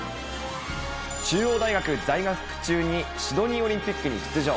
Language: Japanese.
中央大学在学中にシドニーオリンピックに出場。